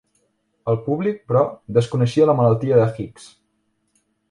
El públic, però, desconeixia la malaltia de Hicks.